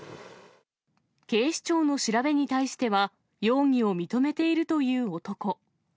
警視庁の調べに対しては、容疑を認めているという男。